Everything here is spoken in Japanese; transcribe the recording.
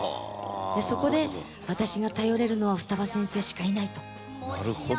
そこで私が頼れるのは二葉先生しかいないと。